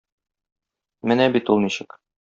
Менә бит ул ничек!